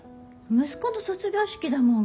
息子の卒業式だもん。